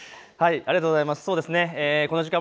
ありがとうございます。